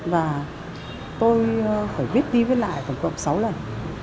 và tôi phải viết đi viết lại tổng cộng sáu lần